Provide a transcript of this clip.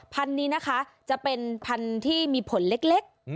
พันธุ์นี้นะคะจะเป็นพันธุ์ที่มีผลเล็ก